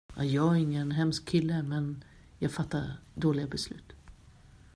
Jag är ingen hemsk kille, men jag fattar dåliga beslut.